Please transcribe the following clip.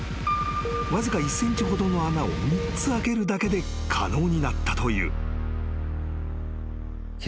［わずか１ｃｍほどの穴を３つ開けるだけで可能になったという］